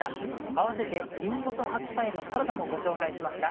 併せて「りんごと白菜のサラダ」もご紹介しました。